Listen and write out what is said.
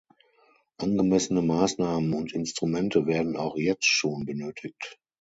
Angemessene Maßnahmen und Instrumente werden auch jetzt schon benötigt.